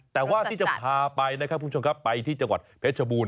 แต่ว่าที่จะพาไปนะครับคุณผู้ชมครับไปที่จังหวัดเพชรบูรณ